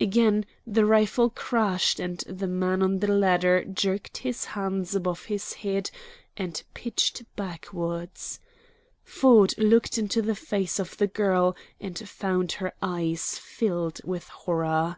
Again the rifle crashed, and the man on the ladder jerked his hands above his head and pitched backward. Ford looked into the face of the girl and found her eyes filled with horror.